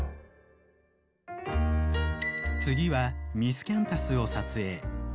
次はミスキャンタスを撮影。